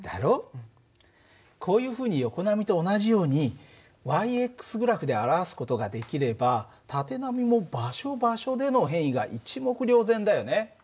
こういうふうに横波と同じように−グラフで表す事ができれば縦波も場所場所での変位が一目瞭然だよね。